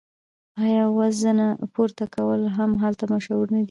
آیا وزنه پورته کول هم هلته مشهور نه دي؟